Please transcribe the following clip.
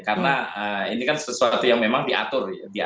karena ini kan sesuatu yang memang diatur